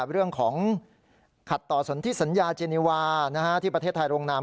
เรื่องของขัดต่อสนที่สัญญาเจนีวาที่ประเทศไทยโรงนาม